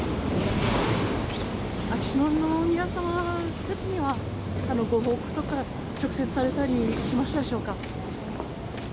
秋篠宮さまたちには、直接、ご報告とか、直接されたりしましたでしょうか？